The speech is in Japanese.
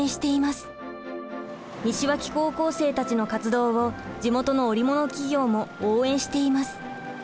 西脇高校生たちの活動を地元の織物企業も応援しています。